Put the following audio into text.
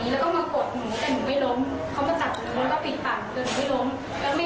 แต่หนูไม่ล้มแล้วแม่ก็เลยตะโกนออกมา